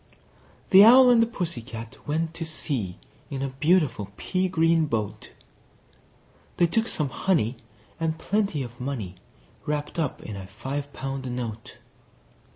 The Owl and the Pussy Cat went to sea In a beautiful pea green boat: They took some honey, and plenty of money Wrapped up in a five pound note.